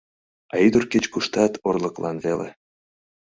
А ӱдыр кеч-куштат орлыклан веле.